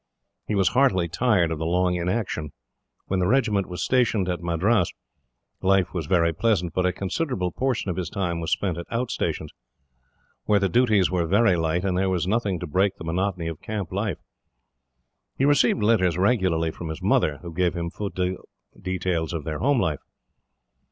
He was heartily tired of the long inaction. When the regiment was stationed at Madras, life was very pleasant; but a considerable portion of his time was spent at out stations, where the duties were very light, and there was nothing to break the monotony of camp life. He received letters regularly from his mother, who gave him full details of their home life.